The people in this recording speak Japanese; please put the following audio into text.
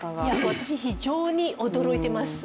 私、非常に驚いてます。